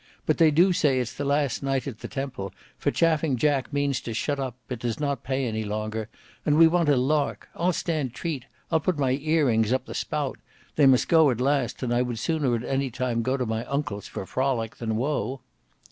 But they do say it's the last night at the Temple, for Chaffing Jack means to shut up, it does not pay any longer; and we want a lark. I'll stand treat; I'll put my earrings up the spout—they must go at last, and I would sooner at any time go to my uncle's for frolic than woe."